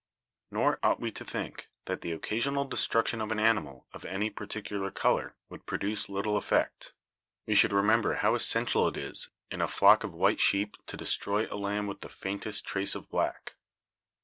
Nor ought we to think that the occasional destruction of an animal of any par ticular color would produce little effect; we should re member how essential it is in a flock of white sheep to de stroy a lamb with the faintest trace of black.